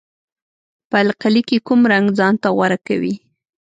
په القلي کې کوم رنګ ځانته غوره کوي؟